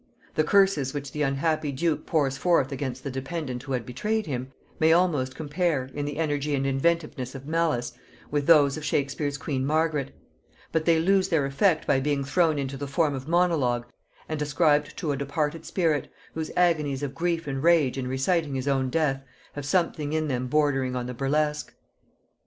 The curses which the unhappy duke pours forth against the dependent who had betrayed him, may almost compare, in the energy and inventiveness of malice, with those of Shakespeare's queen Margaret; but they lose their effect by being thrown into the form of monologue and ascribed to a departed spirit, whose agonies of grief and rage in reciting his own death have something in them bordering on the burlesque.